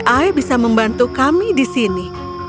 ai bisa membantu kami di sini